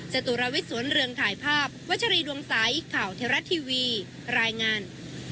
จตุรวิทย์สวนเรืองถ่ายภาพวัชรีดวงใสข่าวเทวรัฐทีวีรายงาน